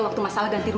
udah n quarterly disini